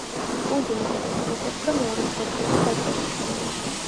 კუნძულის ათვისება შეწყდა მეორე მსოფლიო ომის დაწყებისთანავე.